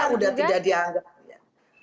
mereka sudah tidak dianggap